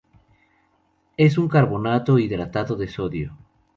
Es un carbonato hidratado de sodio.